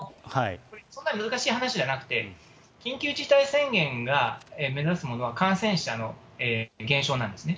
そんなに難しい話じゃなくて、緊急事態宣言が目指すものは感染者の減少なんですね。